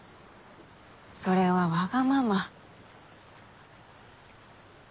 それはわがまま。